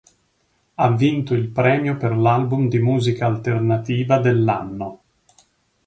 Ha vinto il premio per l'album di musica alternativa dell'anno.